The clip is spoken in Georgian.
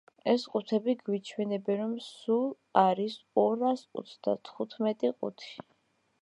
ეს ყუთები გვიჩვენებენ, რომ სულ არის ორას ოცდათხუთმეტი ყუთი.